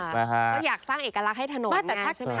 ก็อยากสร้างเอกลักษณ์ให้ถนน